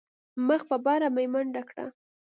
مخ په بره مې منډه کړه.